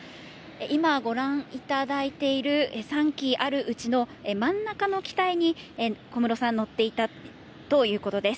今、ご覧いただいている３機あるうちの、真ん中の機体に小室さん、乗っていたということです。